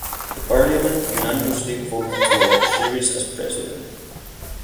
The Parliament unanimously voted to elect Sheares as president.